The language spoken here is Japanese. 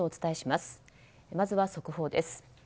まずは速報です。